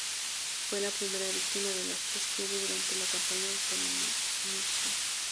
Fue la primera víctima de las tres que hubo durante la campaña autonomista.